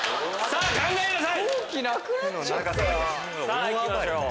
さぁいきましょう。